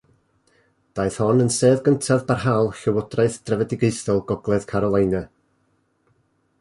Daeth hon yn sedd gyntaf barhaol llywodraeth drefedigaethol Gogledd Carolina.